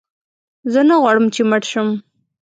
زه نه غواړم چې مړ شم.